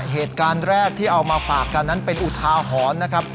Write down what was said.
เหตุการณ์แรกที่เอามาฝากกันนั้นเป็นอุทาหรณ์นะครับ